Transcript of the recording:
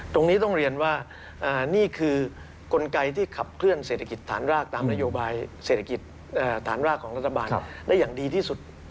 ตรงนี้ต้องเรียนว่านี่คือกลไกที่ขับเคลื่อนเศรษฐกิจฐานรากตามนโยบายเศรษฐกิจฐานรากของรัฐบาลได้อย่างดีที่สุด